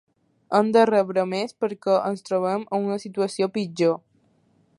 Hem de rebre més perquè ens trobem en una situació pitjor.